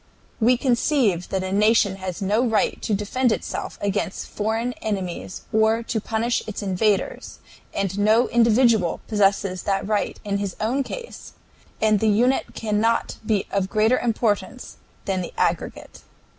"We conceive that a nation has no right to defend itself against foreign enemies or to punish its invaders, and no individual possesses that right in his own case, and the unit cannot be of greater importance than the aggregate.